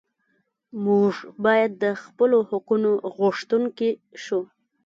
موږ باید د خپلو حقونو غوښتونکي شو.